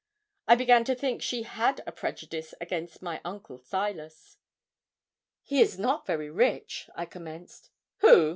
I began to think she had a prejudice against my uncle Silas. 'He is not very rich,' I commenced. 'Who?'